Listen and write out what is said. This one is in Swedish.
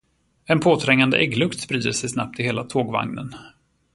En påträngande ägglukt sprider sig snabbt i hela tågvagnen.